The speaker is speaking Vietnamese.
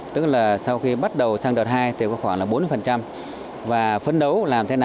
tức là sau khi bắt đầu sang đợt hai thì có khoảng bốn mươi